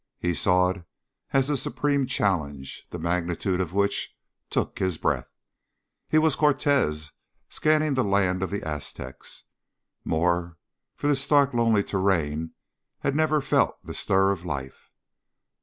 He saw it as the supreme challenge, the magnitude of which took his breath. He was Cortez scanning the land of the Aztecs. More, for this stark lonely terrain had never felt the stir of life.